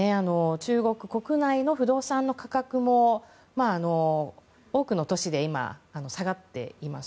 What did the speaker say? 中国国内の不動産の価格も多くの都市で今、下がっています。